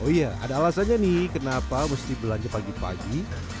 oh iya ada alasannya nih kenapa mesti belanja pagi pagi